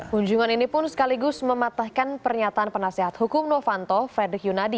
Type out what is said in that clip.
kunjungan ini pun sekaligus mematahkan pernyataan penasehat hukum novanto frederick yunadi